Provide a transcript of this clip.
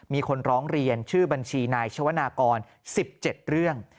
มีคนร้องเรียนชื่อบัญชีนายชวนากร๑๗เรื่อง